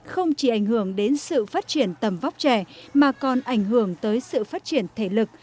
không chỉ ảnh hưởng đến sự phát triển tầm vóc trẻ mà còn ảnh hưởng tới sự phát triển thể lực